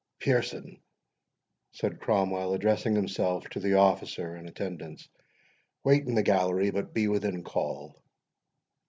"Pearson," said Cromwell, addressing himself to the officer in attendance, "wait in the gallery, but be within call."